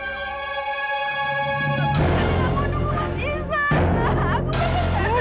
aku mau menikah